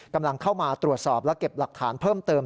กำลังเข้ามาตรวจสอบและเก็บหลักฐานเพิ่มเติม